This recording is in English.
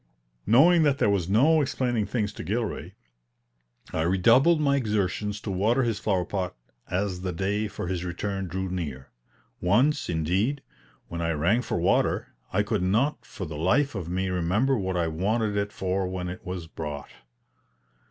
Knowing that there was no explaining things to Gilray, I redoubled my exertions to water his flower pot as the day for his return drew near. Once, indeed, when I rang for water, I could not for the life of me remember what I wanted it for when it was brought.